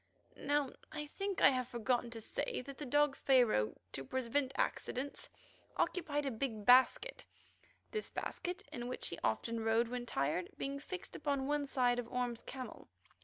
Now I think I have forgotten to say that the dog Pharaoh, to prevent accidents, occupied a big basket; this basket, in which he often rode when tired, being fixed upon one side of Orme's camel.